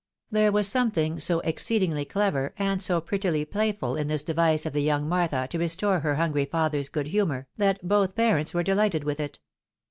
There was something so exceedingly clever, and so prettily playful, in this device of the young Martha to restore her hungry 76 THE WIDOW MARRIED. father's good humour, that both parents were delighted 'with it.